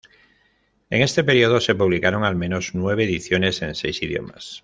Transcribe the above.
En este periodo se publicaron al menos nueve ediciones en seis idiomas.